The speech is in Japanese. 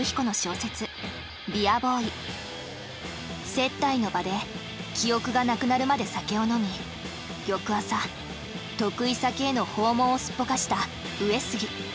接待の場で記憶がなくなるまで酒を飲み翌朝得意先への訪問をすっぽかした上杉。